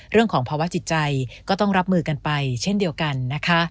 เรื่องของภาวะจิตใจก็ต้องรับมือกันไปเช่นเดียวกันนะคะ